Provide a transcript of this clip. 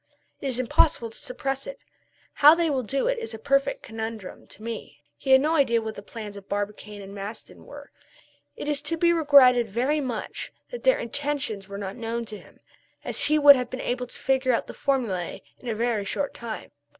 It is impossible to surpress it; how they will do it, is a perfect conundrum to me." He had no idea what the plans of Barbicane and Maston were. It is to be regretted very much that their intentions were not known to him, as he would have been able to figure out the formulae in a very short time.